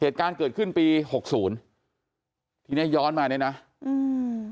เหตุการณ์เกิดขึ้นปีหกศูนย์ทีเนี้ยย้อนมาเนี้ยนะอืม